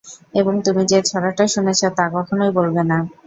এবং তুমি যে ছড়াটা শুনেছ, তা কখনই বলবে না।